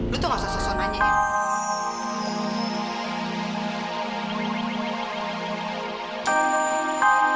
lu tuh gak usah sesonanya ya